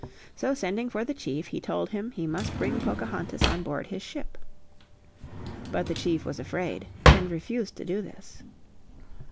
So sending for the chief he told him he must bring Pocahontas on board his ship. But the chief was afraid and refused to do this.